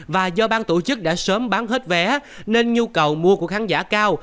và do bang tổ chức đã sớm bán hết vé nên nhu cầu mua của khán giả cao